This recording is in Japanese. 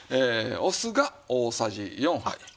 お酢が大さじ４入る。